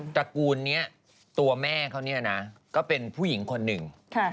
ตระกูลนี้ตัวแม่เขาเนี่ยนะก็เป็นผู้หญิงคนหนึ่ง